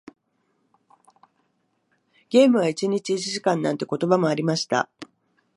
ゲームは一日一時間なんて言葉もありました。